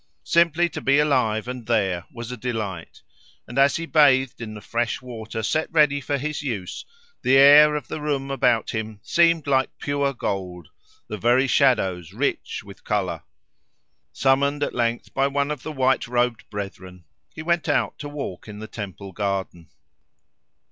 Simply to be alive and there was a delight; and as he bathed in the fresh water set ready for his use, the air of the room about him seemed like pure gold, the very shadows rich with colour. Summoned at length by one of the white robed brethren, he went out to walk in the temple garden.